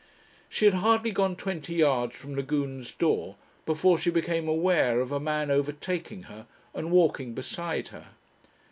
She had hardly gone twenty yards from Lagune's door before she became aware of a man overtaking her and walking beside her.